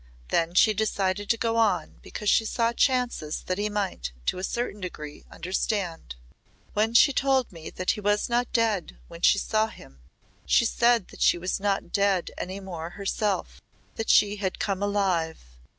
Then she decided to go on because she saw chances that he might, to a certain degree, understand. "When she told me that he was not dead when she saw him, she said that she was not dead any more herself that she had come alive.